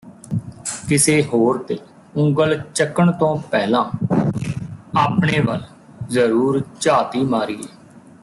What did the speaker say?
ਕਿਸੇ ਹੋਰ ਤੇ ਉਂਗ਼ਲ਼ ਚੱਕਣ ਤੋਂ ਪਹਿਲਾਂ ਆਪਣੇ ਵੱਲ ਜਰੂਰ ਝਾਤੀ ਮਾਰੀਏ